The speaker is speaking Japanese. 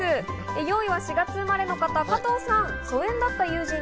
４位は４月生まれの方、加藤さん。